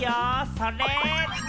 それ！